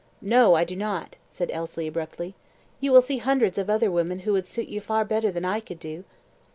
"No, I do not," said Elsie, abruptly. "You will see hundreds of other women who would suit you far better than I could do."